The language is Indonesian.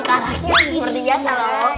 ke arahnya seperti biasa loh